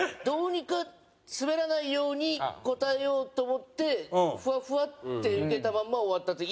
どうにかスベらないように答えようと思ってふわふわってウケたまんま終わった。